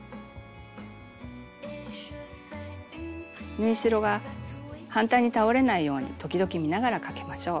縫い代が反対に倒れないように時々見ながらかけましょう。